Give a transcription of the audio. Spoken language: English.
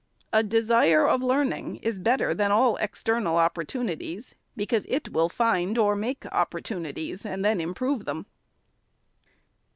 A desire of learning is better than all external opportunities, because it will find or make opportunities, and then improve them.